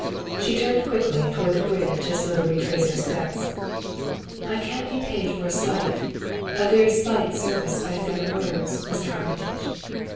She turned quickly toward the bridge as though to retrace her steps. "I can't be paid for a slight, a very slight service by fair words, Mr. Armitage.